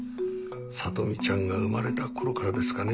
里美ちゃんが生まれた頃からですかね。